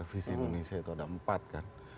visi indonesia itu ada empat kan